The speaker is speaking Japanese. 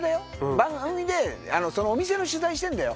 番組でお店の取材してんだよ？